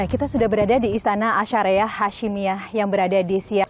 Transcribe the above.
kita sudah berada di istana ashariyah hashimiyah yang berada di siak